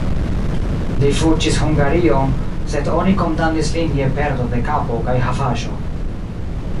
Li fuĝis Hungarion, sed oni kondamnis lin je perdo de kapo kaj havaĵo.